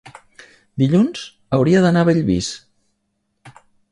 dilluns hauria d'anar a Bellvís.